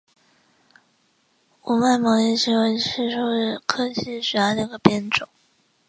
五脉毛叶槭为槭树科槭属下的一个变种。